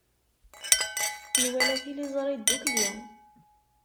Nwala tiliẓri ddukkli.